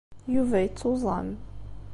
Yuba yettuẓam.